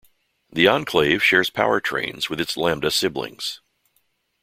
The Enclave shares powertrains with its Lambda siblings.